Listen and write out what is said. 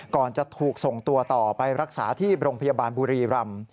ก่อนจะถูกส่งตัวต่อไปรักษาที่โรงพยาบาลบุรีรำ